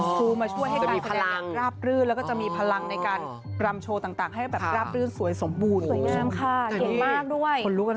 ต้วยผลังดูแล้วก็จะมีภลังในการรำโชว์ต่างให้เป็นภลับซึ้งสวยสมบูรณ์